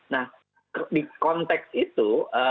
nah di konteks itu